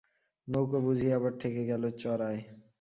নৌকো বুঝি আবার ঠেকে গেল চড়ায়।